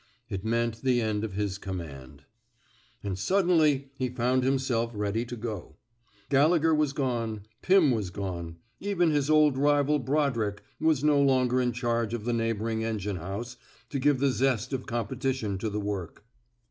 It meant the end of his command. And suddenly he found himself ready to go. Gallegher was gone ; Pim was gone ; even his old rival Brodrick was no longer in charge of the neighboring engine house to give the zest of competition to the work.